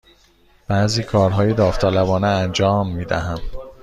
بعضی کارهای داوطلبانه انجام می دهم.